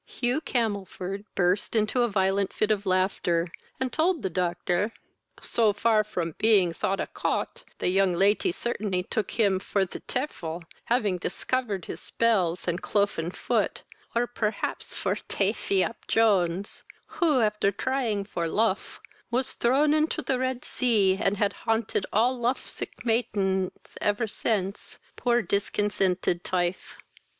Hugh Camelford burst into a violent fit of laughter, and told the Doctor, "so far from being thought a Cot, the young laty certainly took him for the tifel, having discovered his spells and clofen foot, or perhaps for Tafy ap Jones, who, after tying for lof, was thrown into the Red Sea, and had haunted all lof sick maidens ever since, poor discontented tifel!"